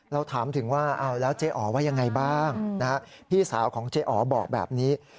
เราถามถึงว่าเอาแล้วเจ๊อ๋อว่ายังไงบ้างพี่สาวของเจ๊อ๋อบอกแบบนี้